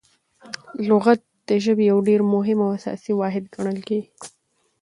لغت د ژبي یو ډېر مهم او اساسي واحد ګڼل کیږي.